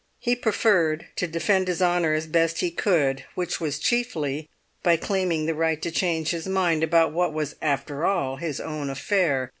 He preferred to defend his honour as best he could, which was chiefly by claiming the right to change his mind about what was after all his own affair.